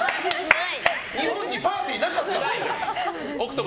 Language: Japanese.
日本にパーティーなかった。